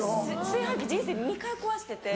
炊飯器人生で２回壊してて。